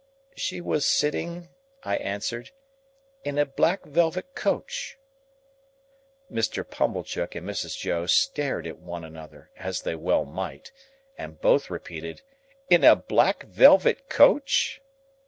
"She was sitting," I answered, "in a black velvet coach." Mr. Pumblechook and Mrs. Joe stared at one another—as they well might—and both repeated, "In a black velvet coach?"